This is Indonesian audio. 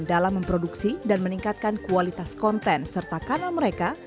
dalam memproduksi dan meningkatkan kualitas konten serta kanal mereka